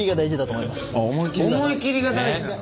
思い切りが大事なの？